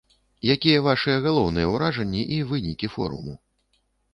Якія вашы галоўныя ўражанні і вынікі форуму?